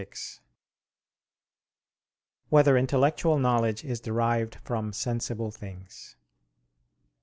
6] Whether Intellectual Knowledge Is Derived from Sensible Things?